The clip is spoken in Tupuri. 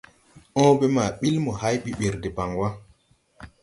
Õõbe ma ɓil mo hay ɓiɓir debaŋ wà.